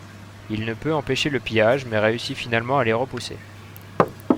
Il ne peut empêcher le pillage mais réussit finalement à les repousser.